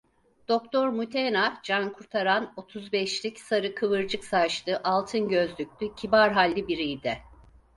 Doktor Mutena Cankurtaran otuz beşlik, sarı kıvırcık saçlı, altın gözlüklü, kibar halli biriydi.